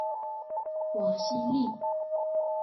瓦西利。